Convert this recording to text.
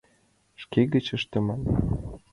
— Шке гыч ыштыман.